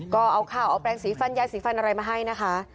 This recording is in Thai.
ก็เอาข้าวเอาแปลงสีฟันยายสีฟันอะไรมาให้นะคะ